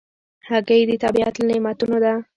هګۍ د طبیعت له نعمتونو ده.